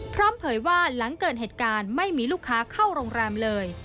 เผยว่าหลังเกิดเหตุการณ์ไม่มีลูกค้าเข้าโรงแรมเลย